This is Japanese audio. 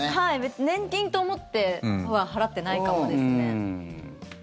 別に年金と思っては払ってないかもですね。